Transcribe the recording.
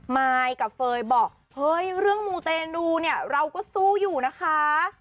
มายกับเฟย์บอกเฮ้ยเรื่องมูเตนูเนี่ยเราก็สู้อยู่นะคะ